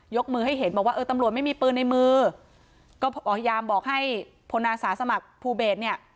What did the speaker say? มือให้เห็นบอกว่าเออตำรวจไม่มีปืนในมือก็พยายามบอกให้พลอาสาสมัครภูเบสเนี่ย